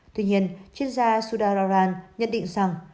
tuy nhiên chuyên gia sudha raran nhận định rằng